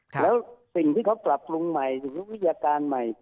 แล้วสิ่งที่เขากลับลงใหม่สมมุติวิทยาการใหม่